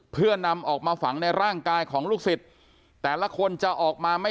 เพื่อนำออกมาฝังในร่างกายของลูกศิษย์แต่ละคนจะออกมาไม่